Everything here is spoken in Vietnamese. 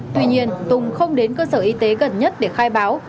tuy nhiên tùng không đến cơ sở y tế gần nhất để khai báo